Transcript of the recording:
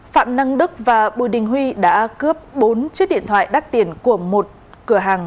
phạm năng đức và bùi đình huy đã cướp bốn chiếc điện thoại đắt tiền của một cửa hàng